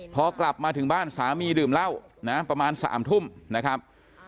พอกลับมาถึงบ้านสามีดื่มเหล้านะประมาณ๓ทุ่มนะครับ